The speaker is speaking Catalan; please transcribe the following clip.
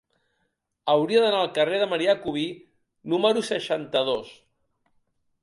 Hauria d'anar al carrer de Marià Cubí número seixanta-dos.